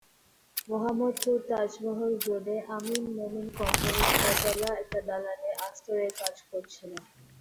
মোহাম্মদপুর তাজমহল রোডে আমিন-মোমিন কোম্পানির ছয়তলা একটা দালানে আস্তরের কাজ করছিলেন।